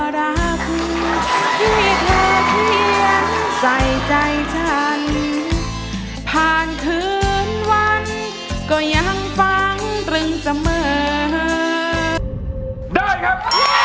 ได้ครับ